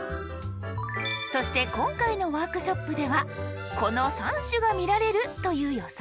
そして今回のワークショップではこの３種が見られるという予想。